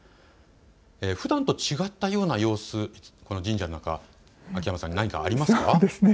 ふだんと違ったような様子、神社の中、秋山さん、何かありますか。